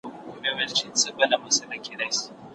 دخلافت تحقق بدون دحكومت څخه نه راځي،